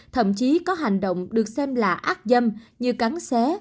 thậm chí có hành động được xem là ác dâm như cắn xé